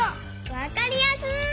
わかりやすい！